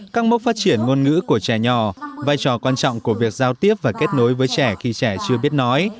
các mốc phát triển ngôn ngữ của trẻ nhỏ vai trò quan trọng của việc giao tiếp và kết nối với trẻ khi trẻ chưa biết nói